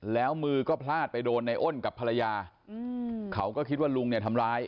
แล้วมือก็พลาดไปโดนในอ้นกับภรรยาเขาก็คิดว่าลุงเนี่ยทำร้าย